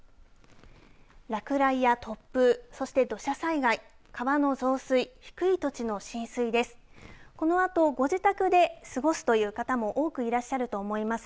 落雷や突風そして土砂災害、川の増水低い土地の浸水です。